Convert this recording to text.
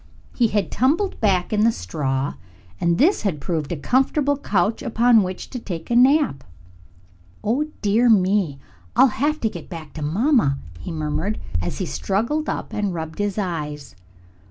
He had tumbled back in the straw and this had proved a comfortable couch upon which to take a nap. "Oh, dear me, I'll have to get back to mamma!" he murmured, as he struggled up and rubbed his eyes.